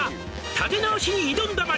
「立て直しに挑んだ街